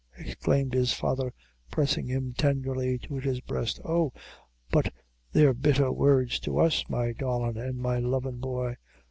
_" exclaimed his father, pressing him tenderly to his breast. "Oh! but they're bitther words to us, my darlin' an' my lovin' boy.